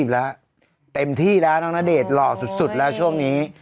แล้วเต็มที่แล้วน้องณเดชน์หล่อสุดแล้วช่วงนี้